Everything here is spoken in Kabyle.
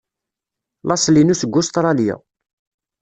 Laṣel-inu seg Ustṛalya.